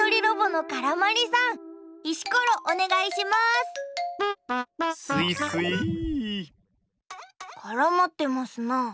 からまってますな。